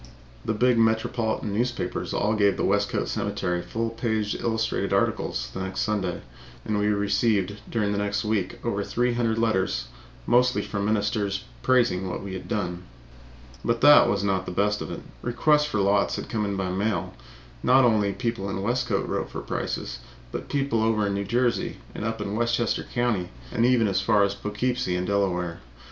The big metropolitan newspapers all gave the Westcote Cemetery full page illustrated articles the next Sunday, and we received during the next week over three hundred letters, mostly from ministers, praising what we had done. But that was not the best of it. Requests for lots began to come in by mail. Not only people in Westcote wrote for prices, but people away over in New Jersey and up in Westchester Country, and even from as far away as Poughkeepsie and Delaware.